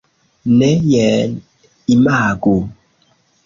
Ne, jen imagu!